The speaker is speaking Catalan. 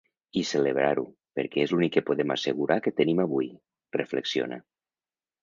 I celebrar-ho, perquè és l’únic que podem assegurar que tenim avui, reflexiona.